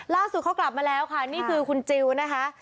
ล่าสุดเขากลับมาแล้วค่ะนี่คือคุณจิลนะคะ